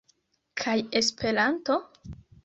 Kaj Esperanto?